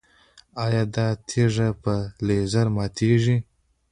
ایا دا تیږه په لیزر ماتیږي؟